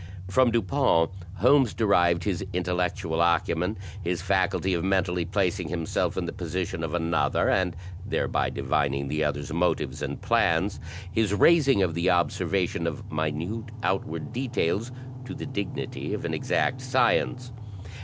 From Dupin, Holmes derived his intel lectual acumen, his faculty of mentally placing himself in the position of another, and thereby divining the other's motives and plans, his raising of the observation of minute outward details to the dignity of an exact science.